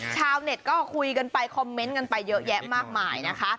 ชาวเน็ตก็คุยกันไปคอมเมนต์กันไปเยอะแยะมากมายนะคะ